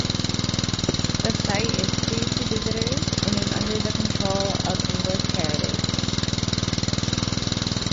The site is free to visitors and is under the control of English Heritage.